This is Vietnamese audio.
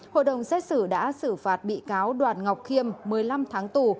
hội đồng xét xử đã xử phạt bị cáo đoàn ngọc khiêm một mươi năm tháng tù